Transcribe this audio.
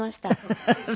フフフフ。